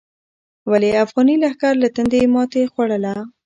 ولې افغاني لښکر له تندې ماتې خوړله؟